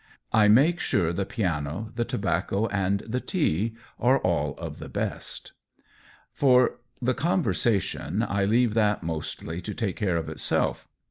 I make sure the piano, the tobacco, and the tea are all of the best. For the conversation, I leave that mostly to take care of itself.